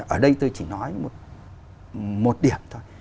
ở đây tôi chỉ nói một điểm thôi